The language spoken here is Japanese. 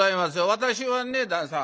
私はね旦さん